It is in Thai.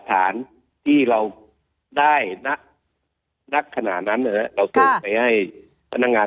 โทษเท่ากันใช่ไหมคะ